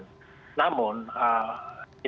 jadi kalau misalnya